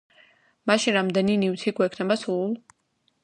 მაშინ რამდენი ნივთი გვექნება სულ?